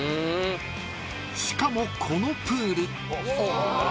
［しかもこのプール］